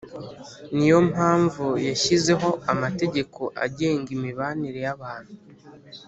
ni yo mpamvu yashyizeho amategeko agenga imibanire y’abantu